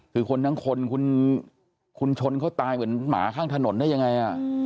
คือคนทั้งคนคุณชนเขาตายเหมือนหมาข้างถนนได้ยังไง